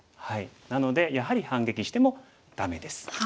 なのでやはり反撃してもダメです。